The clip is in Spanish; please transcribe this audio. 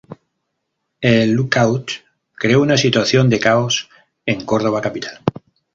El lock out creó una situación de caos en Córdoba Capital.